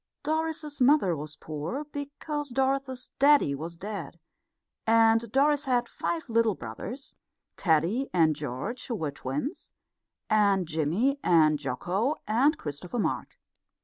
Doris's mother was poor, because Doris's daddy was dead, and Doris had five little brothers Teddy and George, who were the twins, and Jimmy and Jocko and Christopher Mark.